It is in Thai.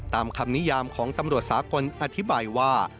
ตามคำนิยามของตำรวจสากลอธิบายว่า